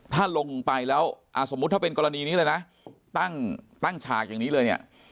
ถ้าลงไปแล้วสมมุติถ้าเป็นกรณีนี้เลยนะตั้งตั้งฉากอย่างนี้เลยเนี่ย